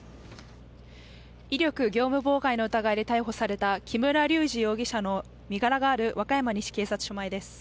威力業務妨害の疑いで逮捕された木村隆二容疑者の身柄がある和歌山西警察署前です。